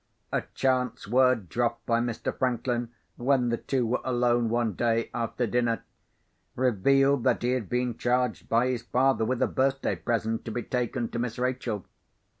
A chance word dropped by Mr. Franklin, when the two were alone, one day, after dinner, revealed that he had been charged by his father with a birthday present to be taken to Miss Rachel.